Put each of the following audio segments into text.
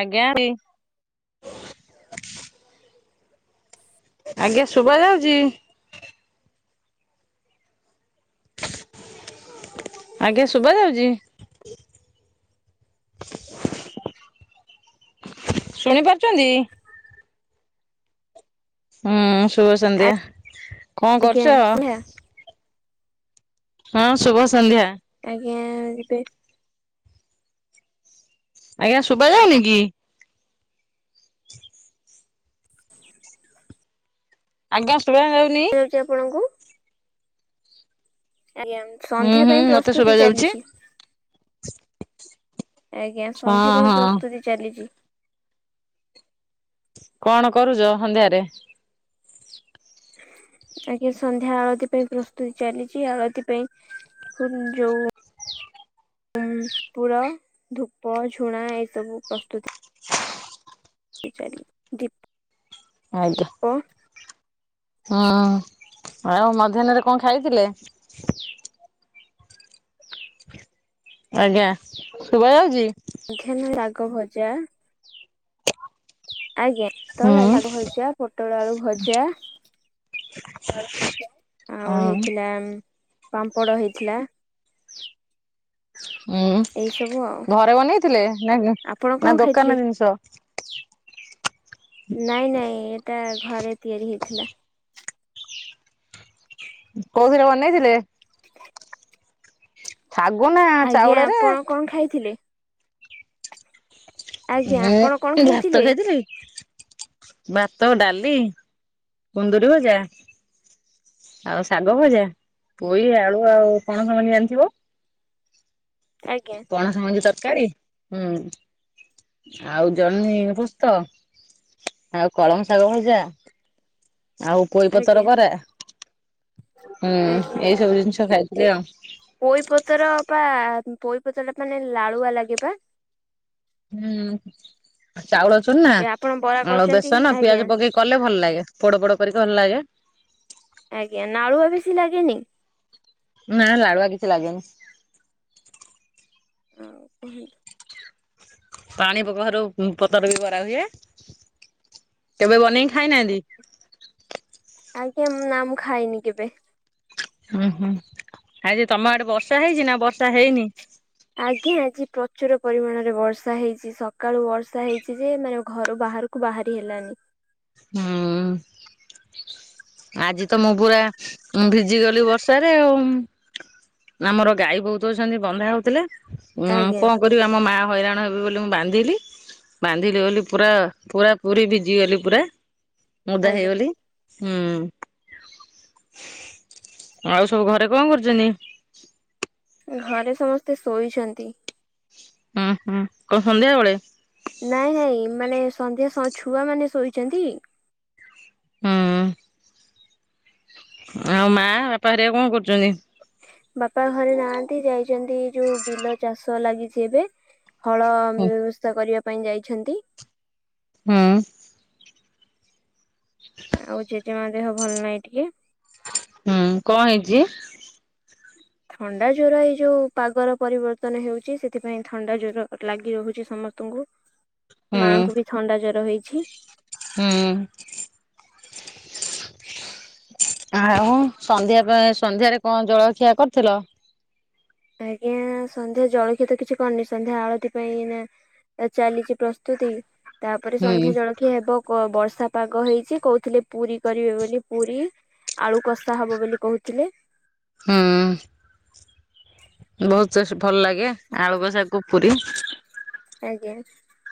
ଆଜ୍ଞା। ଆଜ୍ଞା ଶୁଭା ଯାଉଛି? ଆଜ୍ଞା ଶୁଭା ଯାଉଛି? ଶୁଣି ପାରୁଛନ୍ତି? ହୁଁ ଶୁଭ ସନ୍ଧ୍ୟା, କଣ ଆଜ୍ଞା କରୁଛ? ସନ୍ଧ୍ୟା ହଁ ଶୁଭ ସନ୍ଧ୍ୟା। ଆଜ୍ଞା ଯିବେ। ଆଜ୍ଞା ଶୁଭା ଯାଉନି କି? ଆଜ୍ଞା ଶୁଭା ଯାଉନି? ଚି ଆପଣଙ୍କୁ? ଆଜ୍ଞା ହୁଁ ସନ୍ଧ୍ୟା ହୁଁ ପାଇଁ ମତେ ଶୁଭା ପ୍ରସ୍ତୁତି ଯାଉଛି ଚାଲିଛି। ଆଜ୍ଞା ହଁ ସନ୍ଧ୍ୟା ପାଇଁ ହଁ ପ୍ରସ୍ତୁତି ଚାଲିଛି। କଣ କରୁଛ ସନ୍ଧ୍ୟାରେ? ଆଜ୍ଞ ସନ୍ଧ୍ୟା ଆଳତି ପାଇଁ ପ୍ରସ୍ତୁତି ଚାଲିଛି। ଆଉ ଏଥିପାଇଁ ଯଉ ଧୂପ ଝୁଣା ଏସବୁ ପ୍ରସ୍ତୁତ। ଦୀପ। ଆଜ୍ଞା ହୁଁ ଆଉ ମଧ୍ୟାହ୍ନରେ କଣ ଖାଇଥିଲେ? ଆଜ୍ଞା ଶୁଭା ଯାଉଛି? ମଧ୍ୟାହ୍ନ ରାଗ ଭଜା। ଆଜ୍ଞା ହୁଁ ପାତଳ ଭଜା, ପୋଟଳ ଆଳୁ ଭଜା। [unintelligible] ଆଉ ହଁ ହେଇଥିଲା ପାମ୍ପଡ ହେଇଥିଲା। ହୁଁ ଏଇ ସବୁ ଆଉ ଘରେ ବନେଇଥିଲେ ନା ଆପଣ କଣ ନା ଖାଇଥିଲେ? ଦୋକାନ ଜିନିଷ? ନାଇଁ ନାଇଁ ଏଇଟା ଘରେ ତିଆରି ହେଇଥିଲା। କୋଉଥିରେ ବନେଇଥିଲେ? [inaudible] ସାଗୁନା ଆଜ୍ଞା ଚାଉଳରେ ଆପଣ କଣ ଖାଇଥିଲେ? ଆଜ୍ଞା ଆପଣ କଣ ଭାତ ଖାଇଥିଲେ? ଖାଇଥିଲି। ଭାତ, ଡାଲି, କୁନ୍ଦୁରୁ ଭଜା। ଆଉ ଶାଗ ଭଜା, ପୋଇ ଆଳୁ ଆଉ ପଣସ ମଞି ଜାଣିଥିବ? ଆଜ୍ଞା। ପଣସ ମଞ୍ଜି ତରକାରୀ ହୁଁ। ଆଉ ଜହ୍ନି ପୋସ୍ତ, ଆଉ କଳଙ୍ଗ ଶାଗ ଭଜା। ଆଉ ପୋଇପତର ଆଜ୍ଞା ବରା ହୁଁ ଆଜ୍ଞା। ଏଇ ସବୁ ଜିନିଷ ଖାଇଥିଲି ଆଉ ପୋଇପତର ପା ପୋଇପତର ଟା ମାନେ ନାଳୁଆ ଲାଗେ ପା? ହୁଁ ଚାଉଳ ଚୁନା, ଏ ଆପଣ ବରା ଆଉ କରୁଛନ୍ତି ବେସନ, ଆଜ୍ଞା ପିଆଜ ପକେଇକି କଲେ ଭଲ ଲାଗେ ପୋଡ ପୋଡ କରିକି ଭଲ ଲାଗେ। ଆଜ୍ଞା ନାଳୁଆ ବେଶୀ ଲାଗେନି? ନା ଲାଳୁଆ କିଛି ଲାଗେନି। ଆଉ କୁହନ୍ତୁ? ପାଣି ବ୍ୟବହାରକୁ ପତର ରୁ ବି ବରା ହୁଏ କେବେ ବନେଇକି ଖାଇନାହାନ୍ତି? ଆଜ୍ଞା ନା ମୁଁ ଖାଇନି କେବେ। ଉଁ ହୁଁ ଆଜି ତମ ଆଡେ ବର୍ଷା ହେଇଛି ନା ବର୍ଷା ହେଇନି? ଆଜ୍ଞା ଆଜି ପ୍ରଚୁର ପରିମାଣରେ ବର୍ଷା ହେଇଛି ସକାଳୁ ବର୍ଷା ହେଇଛି ଯେ ମାନେ ଘରୁ ବାହାର କୁ ବାହାରି ହେଲାନି। ହୁଁ। ଆଜି ତ ମୁଁ ପୁରା ଭିଜି ଗଲି ବର୍ଷାରେ ଆଉ। ଆମର ଗାଈ ବୋହୁତ ଅଛନ୍ତି ବନ୍ଧା ହୋଉଥିଲେ ଉ ଆଜ୍ଞା କଣ କରିବି ଆମ ମା ହଇରାଣ ହେବେ ବୋଲି ମୁଁ ବାନ୍ଧିଲି। ବାନ୍ଧିଲି ବୋଲି ପୁରା ପୁରା ପୁରୀ ଭିଜିଗଲି ପୁରା ମୁ ଓଦା ଆଜ୍ଞା ହେଇଗଲି। ହୁଁ ଆଉ ସବୁ ଘରେ କଣ କରୁଚନ୍ତି? ଘରେ ସମସ୍ତେ ଶୋଇଛନ୍ତି। ହୁଁ ହୁଁ କଣ ସନ୍ଧ୍ୟାବେଳେ? ନାଇଁ ନାଇଁ ମାନେ ସନ୍ଧ୍ୟା ସ ଛୁଆ ମାନେ ଶୋଇଛନ୍ତି। ହଁ। ଆଉ ମା ବାପା ହରିକା କଣ କରୁଚନ୍ତି? ବାପା ଘରେ ନାହାନ୍ତି ଯାଇଚନ୍ତି ଯୋଉ ବିଲ ଚାଷ ଲାଗି ଯିବେ। ହଳ ହୁଁ ବ୍ୟବସ୍ଥା କରିବା ପାଇଁ ଯାଇଛନ୍ତି। ହୁଁ। ଆଉ ଜେଜେମା ଦେହ ଭଲ ନାହିଁ ଟିକେ। ହୁଁ କଣ ହେଇଚି? ଥଣ୍ଡା ଜ୍ୱର ଏଇ ଯୋଉ ପାଗର ପରିବର୍ତ୍ତନ ହେଉଚି ସେଥିପାଇଁ ଥଣ୍ଡା ଜ୍ୱର ଲାଗି ରହୁଛି ସମସ୍ତଙ୍କୁ। ହୁଁ ମାଙ୍କୁ ବି ଥଣ୍ଡା ଜର ହେଇଛି। ହୁଁ। ଆଉ ସନ୍ଧ୍ୟା ପାଇଁ ସନ୍ଧ୍ୟାରେ କଣ ଜଳଖିଆ କରିୁଥିଲ? ଆଜ୍ଞା ସନ୍ଧ୍ୟା ଜଳଖିଆ ତ କିଛି କରିନି ସନ୍ଧ୍ୟା ଆଳତି ପାଇଁ ନା ଚାଲିଚି ପ୍ରସ୍ତୁତି ତାପରେ ହୁଁ ସନ୍ଧ୍ୟା ଜଳ କିଏ ହେବ ବର୍ଷା ପାଗ ହେଇଛି କହୁଥିଲେ ପୁରୀ କରିବେ ବୋଲି ପୁରୀ। ଆଳୁ କଷା ହବ ବୋଲି କହୁଥିଲେ। ହଁ। ବହୁତ୍ ଚେଷ୍ଟ୍- ଭଲ ଲାଗେ ଆଳୁ କଷା କୁ ପୁରି। ଆଜ୍ଞା।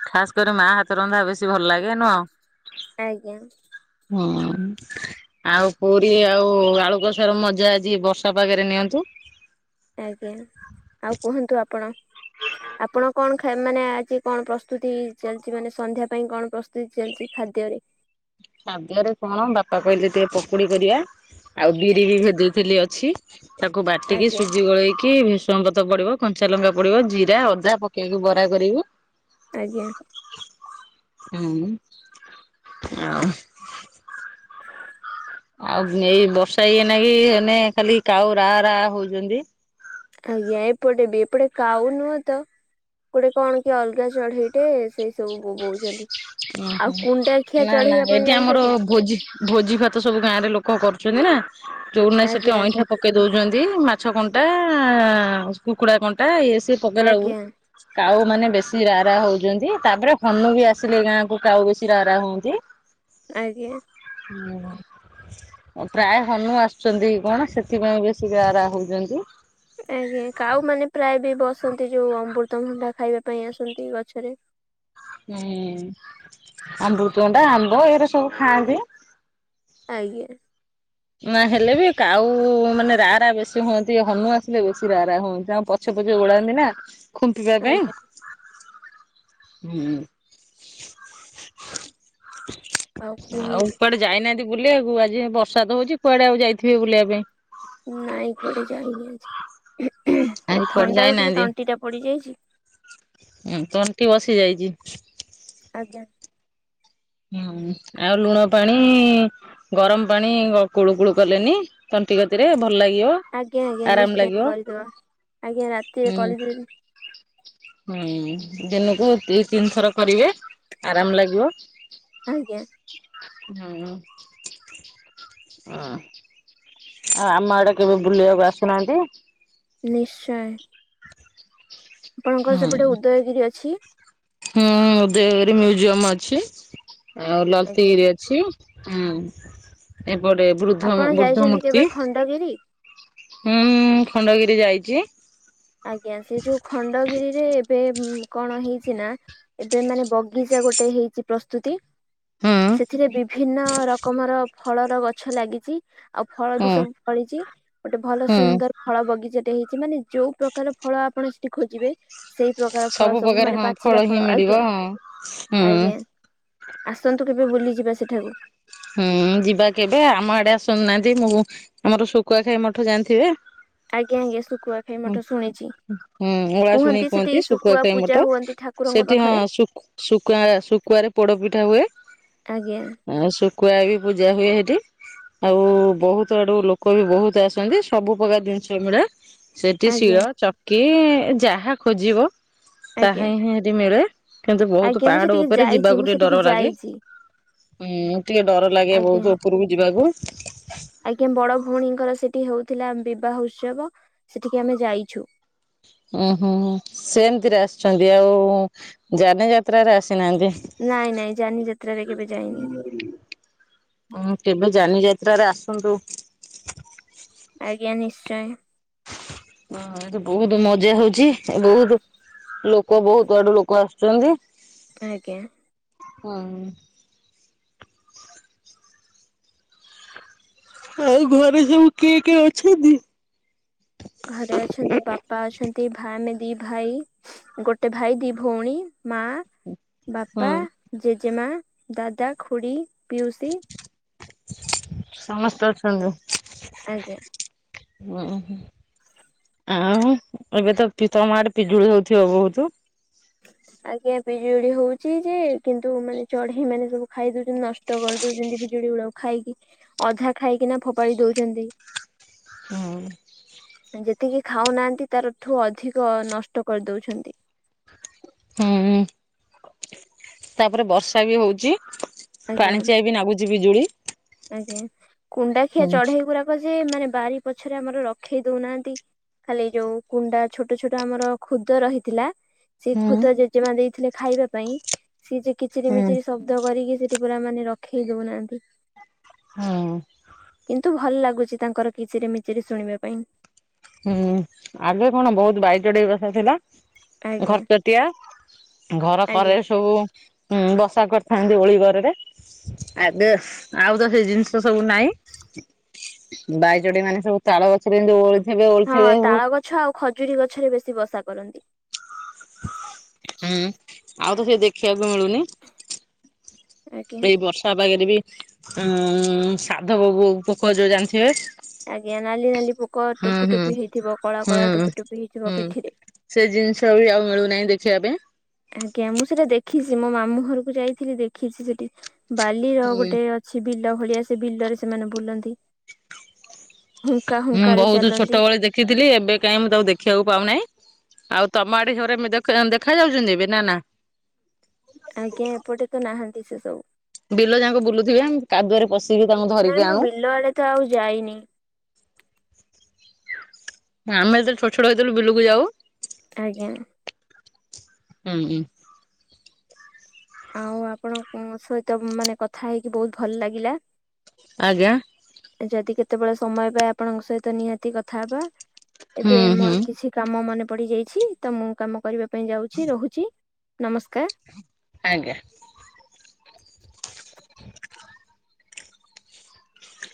ଖାସ କରି ମା ହାତ ରନ୍ଧା ବେଶୀ ଭଲ ଲାଗେ ନୁହଁ। ଆଜ୍ଞା। ହଁ। ଆଉ ପୁରୀ ଆଉ ଆଲୁକସାରୁ ମଜା ଆଜି ବର୍ଷା ପାଗରେ ନିଅନ୍ତୁ। ଆଜ୍ଞା ଆଉ କୁହନ୍ତୁ ଆପଣ? ଆପଣ କଣ ଖାଇ ମାନେ ଆଜି କଣ ପ୍ରସ୍ତୁତି ଚାଲିଚି ମାନେ ସନ୍ଧ୍ୟା ପାଇଁ କଣ ପ୍ରସ୍ତୁ ଚାଲିଚି ଖାଦ୍ୟରେ। ପାଗରେ କଣ ବାପା କହିଲେ ଟିକେ ପକୁଡି କରିବା ଆଉ ବିରି ବି ଭେଜେଇଥିଲି ଅଛି। ତାକୁ ବାଟିକି ଆଜ୍ଞା ସୁଜି ଗୋଳେଇକି ରଙ୍ଗତ ପଡିବ କଞ୍ଚା ଲଙ୍କା ପଡିବ ଜିରା ଅଦା ପକେଇକି ବରା କରିକି ଆଜ୍ଞା। ହୁଁ- ଆଉ ଆଉ ଏଇ ବର୍ଷା ଇଏ ନାକିି ଏଇନେ ଖାଲି କାଉ ରା ରା ହଉଚନ୍ତି। ଆଜ୍ଞା ଏପଟେ ବି ଏପଟେ କାଉ ନୁଁହ ତ ଗୋଟେ କଣ କି ଅଲଗା ଚଢେଇଟେ ସେଇ ସବୁ ବୋବୋଉଛନ୍ତି। ହିଁ ଓହୋ। ନା- ନା ଏଠି ଆମର ଜାଣିଛନ୍ତି? ଭୋଜି -ଭୋଜି ଭାତ ସବୁ ଗାଁରେ ଲୋକ କରୁଚନ୍ତି ନା। ଯୋଉ ଠି ନାହିଁ ସେଠି ଆଜ୍ଞା ଅଇଁଠା ପକେଇ ଦଉଛନ୍ତି ମାଛ କଣ୍ଟା କୁକୁଡା କଣ୍ଟା ଇଏ ସ ପକେଇଲା ବେଳୁ ଆଜ୍ଞା କାଉ ମାନେ ବେଶୀ ରା ରା ହଉଚନ୍ତି ତାପରେ ହନୁ ବି ଆସ୍ ଆସିଲେ ଗାଁ କୁ କାଉ ବେଶୀ ରା ରା ହୁଅନ୍ତି। ଆଜ୍ଞା। [unintelligible] ପ୍ରାୟେ ହନୁ ଆସୁଚନ୍ତି କଣ ସେଥିପାଇଁ ବେଶୀ ରା -ରା ହଉଚନ୍ତି। ଆଜ୍ଞା କାଉ ମାନେ ପ୍ରାୟ ବି ବସନ୍ତି ଯୋଉ ଅମୃତଭଣ୍ଡା ଖାଇବା ପାଇଁ ଆସନ୍ତି ଗଛରେ। ହୁଁ ଅମୃତଭଣ୍ଡା, ଆମ୍ବ ଏଇରା ସବୁ ଖାଆନ୍ତି। ଆଜ୍ଞା। ନା ହେଲେ ବି କାଉ ମାନେ ରା ରା ବେଶୀ ହୁଅନ୍ତି ହନୁ ଆସିଲେ ବେଶୀ ରା ରା ହୁଅନ୍ତି ତାଙ୍କ ପ ଛପ ଛକ ଉଡାନ୍ତି ନା ଖୁମ୍ପିିବା ପାଇଁ। ଆଜ୍ଞା ହୁଁ କାଉ ଆଉ କୁହନ୍ତୁ କୁଆଡେ ଯାଇ ନାହାନ୍ତି ବୁଲିବାକୁ ଆଜି ବର୍ଷା ତ ହଉଚି କୁଆଡେ ଆଉ ଯାଇଥିବେ ବୁଲିବା ପାଇଁ। ନାଇଁ କୁଆଡେ ଯାଇନି ଆଜି ଆଜି କୁଆଡେ ଥଣ୍ଡା ରୁ ଟିକେ ତଣ୍ଟି ଟା ପଡିଯାଇଚି। ଉଁ- ତଣ୍ଟି ବସି ଯାଇଚି। ଆଜ୍ଞା। ହୁଁ- ଆଉ ଲୁଣ ପାଣି ଗରମ୍ ପାଣି କୁଳୁ କୁଳୁ କଲେନି ତଣ୍ଟି କତିରେ ଭଲ ଲାଗିବ। ଆଜ୍ଞା ଆଜ୍ଞା ଆରାମ ନିଶ୍ଚୟ ଲାଗିବ କରିଦବା ଆଜ୍ଞା ରାତିରେ ହୁଁ କରିଦେବି। ହୁଁ- ଦିନକୁ ଦି ତିନି ଥର କରିବେ ଆରାମ୍ ଲାଗିବ। ଆଜ୍ଞା। ହୁଁ -ହଁ। ଆଉ ଆମ ଆଡେ କେବେ ବୁଲିବାକୁ ଆସୁନାହାନ୍ତି। ନିଶ୍ଚୟ। ଆପଣଙ୍କର ହୁଁ ସେପଟେ ଉଦୟଗିରି ଅଛି। ହୁଁ ଉଦୟଗିରି ମ୍ୟୁଜିୟମ ଅଛି ଆଉ ଆଜ୍ଞା ଲତିଗିରି ଅଛି। ହୁଁ ଏପରେ ବୃଦ୍ଧ ଆପଣ ବୃଦ୍ଧ ଯାଇଛନ୍ତି କେବେ ମୂର୍ତ୍ତି। ଖଣ୍ଡଗିରି? ହୁଁ ଖଣ୍ଡଗିରି ଯାଇଚି। ଆଜ୍ଞା ସେ ଯୋଉ ଖଣ୍ଡଗିରିରେ ଏବେ କଣ ହେଇଚି ନା ଏବେ ମାନେ ବଗିଚା ଗୋଟେ ହେଇଚି ପ୍ରସ୍ତୁତି। ହୁଁ ସେଥିରେ ବିଭିନ୍ନ ରକମର ଫଳର ଗଛ ଲାଗିଚି। ଆଉ ଫଳ ବି ହୁଁ ସବୁ ଫଳିଚି ଗୋଟେ ଭଲ ହୁଁ ସୁନ୍ଦର ଫଳ ବଗିଚାଟ ହେଇଚି, ମାନେ ଯୋଉ ପ୍ରକ ପ୍ରକାର ଫଳ ଆପଣ ସେଠି ଖୋଜିବେ ସେଇ ପ୍ରକାର ଫଳ ସବୁ ପ୍ରକାର ମାନେ ହଁ ପାଚିଲା ହିଁ ଫଳ- ମିଳିବ ଆଜ୍ଞା ହଁ। ହୁଁ -ଆଜ୍ଞା। ଆସନ୍ତୁ କେବେ ବୁଲିଯିବା ସେଠାକୁ। ହୁଁ ଯିବା କେବେ ଆମ ଆଡେ ଆସୁନାହାନ୍ତି ମୁଁ ଆମର ଶୁଖୁଆ ଖାଇ ମଠ ଜାଣିଥିବେ? ଆଜ୍ଞା ଆଜ୍ଞା ଶୁଖୁଆ ଖାଇ ମଠ ଶୁଣିଛି। ହୁଁ ଓଳାଶୁଣି ସେଠି କୁହନ୍ତି ଶୁଖୁଆ ଖାଇ ପୂଜା ମଠ ହୁଅନ୍ତି ଠାକୁରଙ୍କ ସେଠି ହଁ ପାଖରେ ଶୁଖୁ ଶୁକୁଆ- ଶୁକୁଆ ରେ ପୋଡପିଠା ହୁଏ। ଆଜ୍ଞା। ଆଉ ଶୁକୁଆ ବି ପୂଜା ହୁଏ ହେଠି। ଆଉ ବହୁତ୍ ଆଡୁ ଲୋକ ବି ବହୁତ୍ ଆସନ୍ତି ସବୁ ପ୍ରକାର ଜିନିଷ ମିଳେ। ସେଠି ଆଜ୍ଞା ଶିଳ, ଚକି ଯାହା ଖୋଜିବ ଆଜ୍ଞା। ତାହା ହିଁ ହେଟି ମିଳେ। କିନ୍ତୁ ବହୁତୁ ଆଜ୍ଞା ମୁଁ ପାହାଡ ସେଠିକି ଉପରେ ଯାଇଛି ଯିବାକୁ ମୁଁ ଟିକେ ସେଠିକି ଡର ଲାଗେ। ଯାଇଛି ଉଁ- ଟିକେ ଡର ଲାଗେ ଆଜ୍ଞା। ବୋହୁତ ଉପରକୁ ଯିବାକୁ। ଆଜ୍ଞା ବଡ ଭଉଣୀଙ୍କର ସେଠି ହୋଉଥିଲା ବିବାହ ଉତ୍ସବ ସେଠିକି ଆମେ ଯାଇଛୁ। ଉୁଁ ହୁଁ ସେମିତିରେ ଆସିଛନ୍ତି ଆଉ ଯାନ ଯାତ୍ରାରେ ଆସିନାହାନ୍ତି। ନାଇଁ ନାଇଁ ଯାନି ଯାତ୍ରାରେ କେବେ ଯାଇନି। ହଁ କେବେ ଯାନିଯାତ୍ରାରେ ଆସନ୍ତୁ। ଆଜ୍ଞା ନିଶ୍ଚୟ। ହ ଏ ବୋହୁତ ମଜା ହୋଉଚି ଏ ବୋହୁତ। ଲୋକ ବୋହୁତ ଆଡୁ ଲୋକ ଆସୁଛନ୍ତି। ଆଜ୍ଞା। ହଁ। ଆଉ ଘରେ ସବୁ କିଏ କିଏ ଅଛନ୍ତି? ଘରେ ଅଛନ୍ତି ବାପା ବାପା ଅଛନ୍ତି, ଭାଇ, ଆମେ ଦି ଭାଇ ଗୋଟେ ଭାଇ ଦି ଭଉଣୀ ମା ହୁଁ ବାପା, ଜେଜେମା, ଦାଦା, ଖୁଡ଼ି, ପିଉସୀ ସମସ୍ତେ ଅଛନ୍ତି। ଆଜ୍ଞା। ହୁଁ ହ ଆଉ ଏବେ ତ ତମ ଆଡେ ପିଜୁଳି ହଉଥିବ ବହୁତ? ହ [unintelligible] ଆଜ୍ଞା, ପିଜୁଳି ହଉଛି ଯେ- କିନ୍ତୁ ମାନେ ଚଢେଇ ମାନେ ସବୁ ଖାଇ ଦଉଛନ୍ତି, ନଷ୍ଟ କରିଦଉଛନ୍ତି ପିଜୁଳି ଗୁଡକୁ ଖାଇକି, ଅଧା ଖାଇକିନା ଫୋପାଡ଼ି ଦଉଛନ୍ତି। ହୁଁ ଉଁ ଯେତିକି ଖାଉନାହାନ୍ତି, ତାରଠୁ ଅଧିକ ନଷ୍ଟ କରିଦଉଛନ୍ତି। ହୁଁ ତାପରେ ବର୍ଷା ବି ହଉଛି। ଆଜ୍ଞା ପାଣିଚିଆ ବି ନାଗୁଛି ବିଜୁଳି। ଆଜ୍ଞା, କୁଣ୍ଡାଖିଆ ହୁଁ ଚଢେଇ ଗୁଡାକ ଯେ ମାନେ ବାରି ପଛରେ ଆମର ରଖେଇ ଦଉନାହାନ୍ତି। ଖାଲି ଯୋଉ କୁଣ୍ଡା ଛୋଟ ଛୋଟ ଆମର ଖୁଦ ରହିଥିଲା ସେ ହୁଁ ଖୁଦ ଜେଜେମା ଦେଇଥିଲେ ଖାଇବା ପାଇଁ, ସିଏ ଯେ କିଚିରି ହୁଁ ମିଚିରି ସବୁ କାଦୁଅ କରିକି ସେଠି ପୁରା ମାନେ ରଖେଇ ଦଉନାହାନ୍ତି। ହଁ ଅଁ କିନ୍ତୁ ଭଲ ଲାଗୁଛି ତାଙ୍କର କିଚିରି ମିଚିରି ଶୁଣିବା ପାଇଁ ହୁଁ, ଆଗେ କଣ ବହୁତ ବାଇ ଚଢେଇ ବସାଥିଲା। ଆଜ୍ଞା ଘରଚଟିଆ ଘର କରେ ଆଜ୍ଞା ସବୁ ହୁଁ ବସା କରିଥାନ୍ତି ଓଳି ଗରରେ। ଆଗ ଆଉ ତ ସେ ଜିନିଷ ସବୁ ନାଇଁ ବାଇଚଢେଇ ମାନେ ସବୁ ତାଳ ଗଛରେ ଯେମିତି ଓଳିଥିବେ ଓଳିଥିବେ ଆଉ ଛ ଆଉ ଖଜୁରୀ ଗଛ ରେ ବେଶୀ ବସା କରନ୍ତି। ହୁଁ ଆଉ ତ ସେ ଦେଖିବାକୁ ମିଳୁନି। ଆଜ୍ଞା ଏଇ ବର୍ଷା ପାଖରେ ବି ଉଁ, ସାଧ ବାବୁ ପୋକର ଯୋଉ ଜାଣିଥିବେ? ଆଜ୍ଞା, ନାଲି ନାଲି ପୋକ, ହୁଁ ଟୋପି ହୁଁ। ଟୋପି ହେଇଥିବ, କଳା ହୁଁ କଳା ଟୋପି ଟୋପି ହେଇଥିବ ହୁଁ ପିଠିରେ ସେ ଜିନିଷ ବି ଆଉ ମିଳୁନାହିଁ ଦେଖିବା ପାଇଁ ଆଜ୍ଞା, ମୁଁ ସେଟା ଦେଖିଛି ମୋ ମାମୁଁ ଘରକୁ ଯାଇଥିଲି ଦେଖିଛି ସେଠି ବାଲିର ହୁଁ ଗୋଟେ ଅ ସେ ବିଲ ଭଳିଆ ସେ ବିଲରେ ସେମାନେ ବୁଲନ୍ତି। ହୁଙ୍କା ମୁଁ ହୁଙ୍କାରେ ବହୁତ ଚାଲନ୍ତି। ଛୋଟବେଳେ ଦେଖିଥିଲି, ଏବେ କାହିଁ ମୁଁ ତାକୁ ଦେଖିବାକୁ ପାଉନାହିଁ। ଆଉ ତମ ଆଡେ ସେଗୁରା ଦେଖାଯ ଯାଉଛନ୍ତି ଏବେ ନା ନା ଆଜ୍ଞା ଏପଟେ ତ ନାହାନ୍ତି ସେ ସବୁ ବିଲ ଯାକ ବୁଲୁଥିବେ, କାଦୁଅରେ ପଶ ନାଇଁ ମୁଁ ବିଲ ଆଡେ ତ ଆଉ ଯାଇନି। ଆମେ ତ ଛୋଟ ଛୋଟ ହେଇଥିଲୁ ବିଲୁକୁ ଯାଉ। ଆଜ୍ଞା। ହୁଁ ହୁଁ ଆଉ ଆପଣଙ୍କ ସହିତ ମାନେ କଥା ହେଇକି ବହୁତ ଭଲ ଲାଗିଲା। ଆଜ୍ଞା। ଯଦି କେତେବେଳେ ସମୟ ପାଏ, ଆପଣଙ୍କ ସହିତ ନିହାତି କଥା ହବା। ହୁଁ ଏବେ ହୁଁ ମୋର କିଛି କାମ ମନେ ପଡି ଯାଇଛି, ତ ମୁଁ କାମ କରିବା ପାଇଁ ଯାଉଛି, ରହୁଛି। ନମସ୍କାର। ଆଜ୍ଞା। [unintelligible]